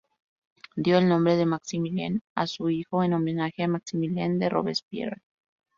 Dio el nombre de "Maximilien" a su hijo, en homenaje a Maximilien de Robespierre.